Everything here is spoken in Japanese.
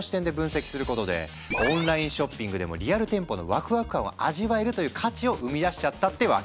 オンラインショッピングでもリアル店舗のワクワク感を味わえるという価値を生み出しちゃったってわけ。